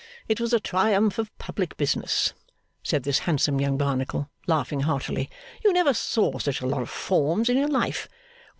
It was a triumph of public business,' said this handsome young Barnacle, laughing heartily, 'You never saw such a lot of forms in your life.